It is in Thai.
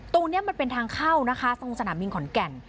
ตรงนี้มันเป็นทางเข้านะคะตรงสนามบินขอนแก่น